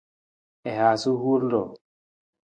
I haasa huur ruu.